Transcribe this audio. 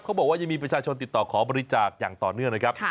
บอกว่ายังมีประชาชนติดต่อขอบริจาคอย่างต่อเนื่องนะครับ